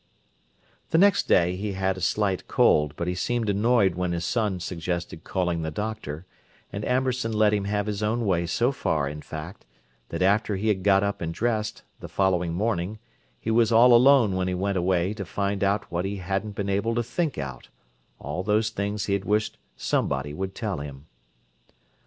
The next day he had a slight cold, but he seemed annoyed when his son suggested calling the doctor, and Amberson let him have his own way so far, in fact, that after he had got up and dressed, the following morning, he was all alone when he went away to find out what he hadn't been able to think out—all those things he had wished "somebody" would tell him.